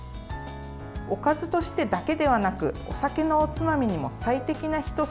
おかずとしてだけではなくお酒のおつまみにも最適なひと品。